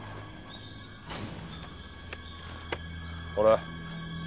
ほら。